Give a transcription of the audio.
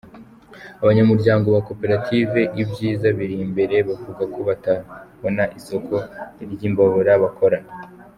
Abanyamuryango ba koperative ibyiza biri imbere bavuga ko batabona isoko ry’imbabura bakora.